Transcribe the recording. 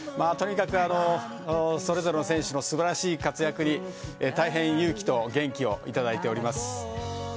とにかくそれぞれの選手の素晴らしい活躍に大変、勇気と元気をいただいております。